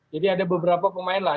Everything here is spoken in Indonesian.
jadi ada beberapa pemain lah